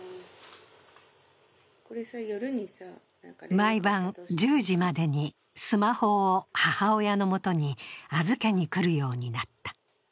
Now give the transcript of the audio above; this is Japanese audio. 毎晩１０時までにスマホを母親のもとに預けに来るようになった。